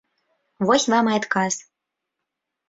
Вось вам і адказ.